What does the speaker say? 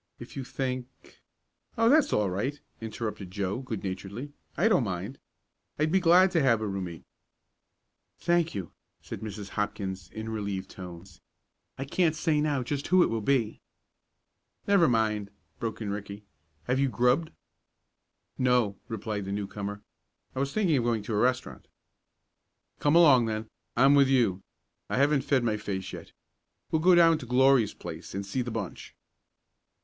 If you think " "Oh, that's all right," interrupted Joe good naturedly, "I don't mind. I'll be glad to have a room mate." "Thank you," said Mrs. Hopkins, in relieved tones. "I can't say just now who it will be." "Never mind!" broke in Ricky. "Have you grubbed?" "No," replied the newcomer. "I was thinking of going to a restaurant." "Come along then. I'm with you. I haven't fed my face yet. We'll go down to Glory's place and see the bunch."